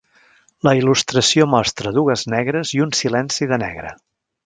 La il·lustració mostra dues negres i un silenci de negra.